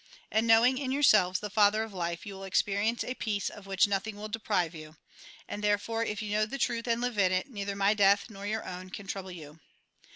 And knowing in yourselves the Father of life, you will experience a peace of which nothing will deprive you. And thei'efore, if you know the truth and live in it, neither my death nor your own can trouble you.